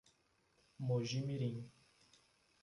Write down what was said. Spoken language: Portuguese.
Moji-mirim